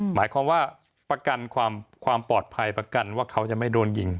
หมายความว่าประกันความปลอดภัยประกันว่าเขาจะไม่โดนยิง